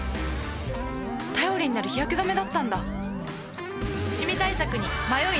頼りになる日焼け止めだったんだ